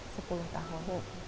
sudah sepuluh tahun